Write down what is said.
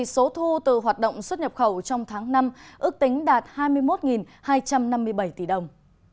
số thu từ hoạt động xuất nhập khẩu trong tháng năm ước tính đạt hai mươi một hai trăm năm mươi bảy tỷ đồng